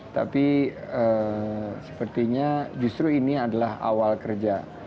tapi sepertinya justru ini adalah awal kerja